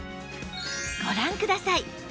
ご覧ください